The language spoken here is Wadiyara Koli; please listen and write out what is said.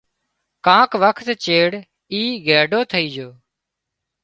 ڪانڪ وکت چيڙ اي گئيڍو ٿئي جھو